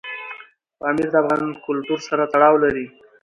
پامیر د افغان کلتور سره تړاو لري.